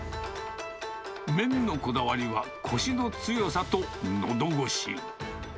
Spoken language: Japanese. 麺のこだわりは、こしの強さとのどごし。